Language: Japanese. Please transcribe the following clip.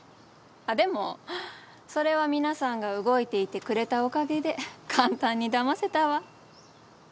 あっでもそれは皆さんが動いていてくれたおかげで簡単に騙せたわ。